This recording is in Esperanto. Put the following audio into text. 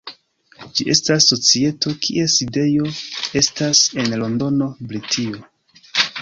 Ĝi estas societo kies sidejo estas en Londono, Britio.